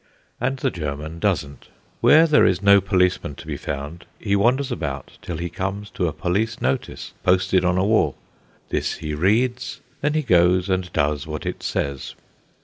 And the German doesn't. Where there is no policeman to be found, he wanders about till he comes to a police notice posted on a wall. This he reads; then he goes and does what it says.